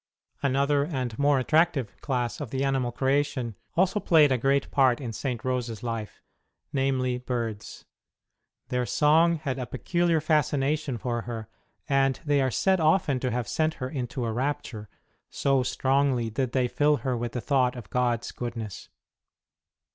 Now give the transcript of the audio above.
Another and more attractive class of the animal creation also played a great part in St. Rose s life namely, birds. Their song had a peculiar fascination for her ; and they are said often to have sent her into a rapture, so strongly did they fill her with the thought of God s goodness.